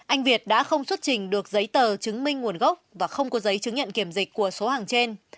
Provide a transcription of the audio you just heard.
anh việt đã không xuất trình được giấy tờ chứng minh nguồn gốc và không có giấy chứng nhận kiểm dịch của số hàng trên